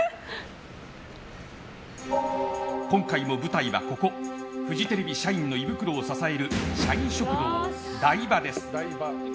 今回も舞台はここ、フジテレビ社員の胃袋を支える社員食堂ＤＡＩＢＡです。